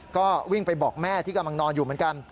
ก็วิ่งไปบอกแม่ที่กำลังนอนอยู่เหมือนกัน